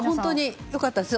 良かったですね。